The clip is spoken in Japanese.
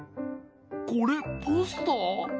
これポスター？